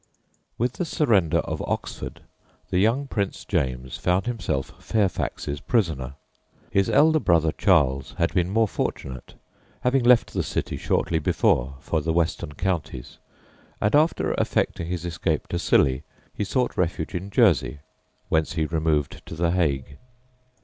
With the surrender of Oxford the young Prince James found himself Fairfax's prisoner. His elder brother Charles had been more fortunate, having left the city shortly before for the western counties, and after effecting his escape to Scilly, he sought refuge in Jersey, whence he removed to the Hague.